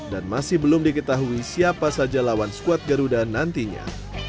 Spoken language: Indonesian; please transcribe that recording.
dan masih belum diketahui siapa saja lawan skuad garuda nantinya